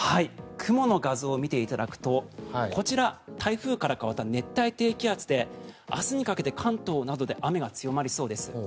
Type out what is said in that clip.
雲の画像を見ていただくとこちら、台風から変わった熱帯低気圧で明日にかけて関東などで雨が降りそうです。